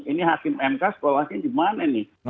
ini hakim mk sekolahnya di mana nih